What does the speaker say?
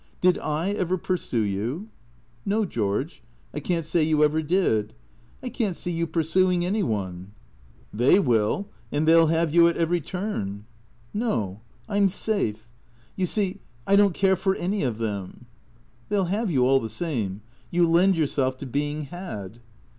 Did / ever pursue you ?"" No, George. I can't say you ever did. I can't see you i)ur suing any one." " They will. And they '11 have you at every turn." " No. I 'm safe. You see, I don't care for any of them." " They '11 ' have ' you all the same. You lend yourself to being ' had.'